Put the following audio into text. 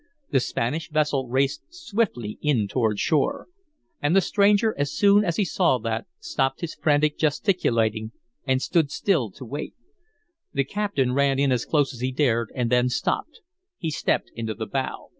The Spanish vessel raced swiftly in toward shore. And the stranger as soon as he saw that stopped his frantic gesticulating and stood still to wait. The captain ran in as close as he dared, and then stopped. He stepped into the bow.